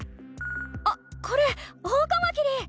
あっこれオオカマキリ！